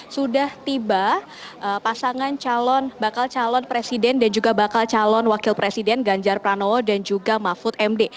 sudah tiba pasangan bakal calon presiden dan juga bakal calon wakil presiden ganjar pranowo dan juga mahfud md